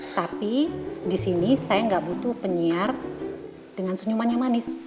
tapi disini saya gak butuh penyiar dengan senyuman yang manis